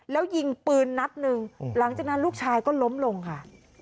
แล้วยิงปืนนัดหนึ่งหลังจากนั้นลูกชายก็ล้มลงค่ะ